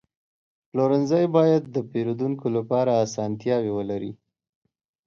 پلورنځی باید د پیرودونکو لپاره اسانتیاوې ولري.